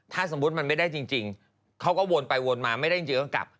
ถ้าสมมุติมันไม่ได้จริงเขาก็วนไปวนมาไม่ได้จริงก็กลับ